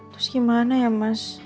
terus gimana ya mas